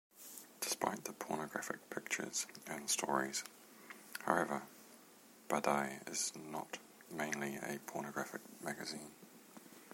Despite the pornographic pictures and stories, however, "Badi" is not mainly a pornographic magazine.